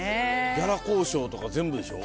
ギャラ交渉とか全部でしょ？